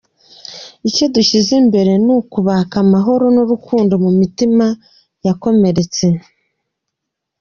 Icyo dushyize imbere n’ukubaka amahoro n’urukundo mu mitima yakomeretse.